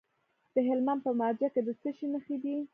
د هلمند په مارجه کې د څه شي نښې دي؟